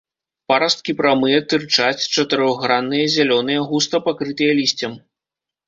Парасткі прамыя, тырчаць, чатырохгранныя, зялёныя, густа пакрытыя лісцем.